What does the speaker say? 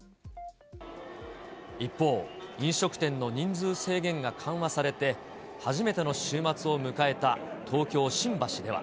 一方、飲食店の人数制限が緩和されて、初めての週末を迎えた東京・新橋では。